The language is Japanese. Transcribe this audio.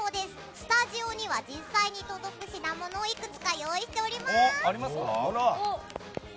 スタジオには実際に届く品物をいくつかご用意してありますよ！